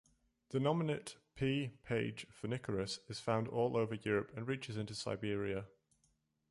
The nominate "P. page phoenicurus" is found all over Europe and reaches into Siberia.